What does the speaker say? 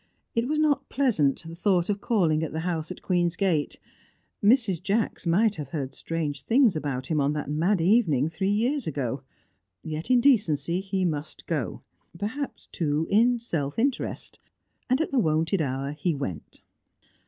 It was not pleasant, the thought of calling at the house at Queen's Gate; Mrs. Jacks might have heard strange things about him on that mad evening three years ago. Yet in decency he must go; perhaps, too, in self interest. And at the wonted hour he went.